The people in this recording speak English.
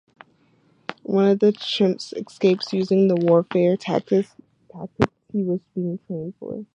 One of the chimps escapes using the warfare tactics he was being trained for.